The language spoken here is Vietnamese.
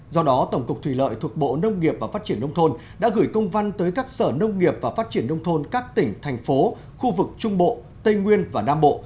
do đó tổng cục thủy lợi thuộc bộ nông nghiệp và phát triển nông thôn đã gửi công văn tới các sở nông nghiệp và phát triển nông thôn các tỉnh thành phố khu vực trung bộ tây nguyên và nam bộ